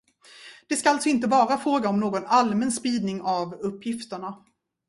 Det ska alltså inte vara fråga om någon allmän spridning av uppgifterna.